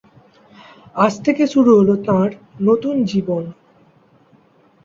আজ থেকে শুরু হল তাঁর নতুন জীবন।